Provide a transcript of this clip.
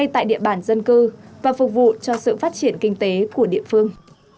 tại địa bàn dân cư và phục vụ cho sự phát triển kinh tế của địa phương